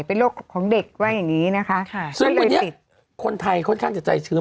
เป็นโรคของเด็กว่าอย่างงี้นะคะค่ะซึ่งวันนี้คนไทยค่อนข้างจะใจชื้น